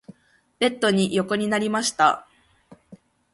ベッドに横になりました。